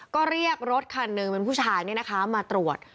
ก็เรียกรถคันหนึ่งเป็นผู้ชายมาตรวจ